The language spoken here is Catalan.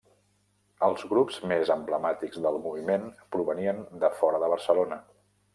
Els grups més emblemàtics del moviment provenien de fora de Barcelona.